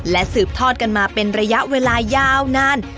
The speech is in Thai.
และสืบทอดกันมาเป็นระยะเวลายาวนาน